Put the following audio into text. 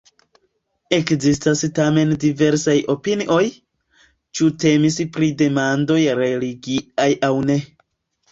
Ekzistas tamen diversaj opinioj, ĉu temis pri demandoj religiaj aŭ ne.